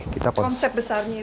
konsep besarnya itu